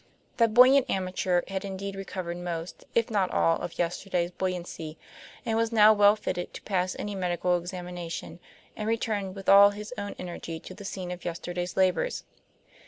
That buoyant amateur had indeed recovered most, if not all, of yesterday's buoyancy, was now well fitted to pass any medical examination, and returned with all his own energy to the scene of yesterday's labors.